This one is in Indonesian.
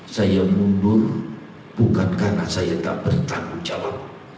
saya mundur bukan karena saya tak bertanggung jawab